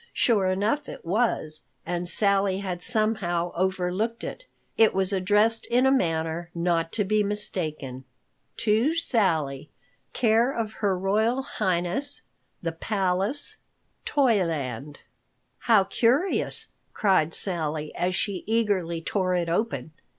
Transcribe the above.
Sure enough it was, and Sally had somehow overlooked it. It was addressed in a manner not to be mistaken: To Sally, Care of Her Royal Highness, The Palace, Toyland. "How curious!" cried Sally as she eagerly tore it open.